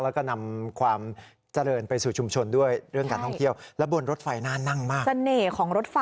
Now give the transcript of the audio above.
แล้วก็นำความเจริญไปสู่ชุมชนด้วยเรื่องการท่องเที่ยวและบนรถไฟน่านั่งมาก